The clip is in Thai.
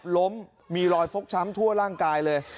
ล้มมีรอยฟกช้ำทั่วร่างกายเลย